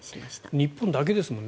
日本だけですもんね。